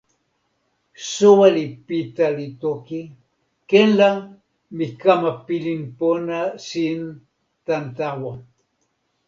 "soweli Pita li toki: "ken la, mi kama pilin pona sin tan tawa."